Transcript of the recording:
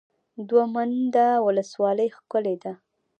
دوه منده ولسوالۍ ښکلې ده؟